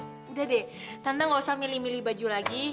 udah deh tante nggak usah milih milih baju lagi